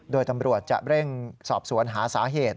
โดยตำรวจจะเร่งสอบสวนหาสาเหตุ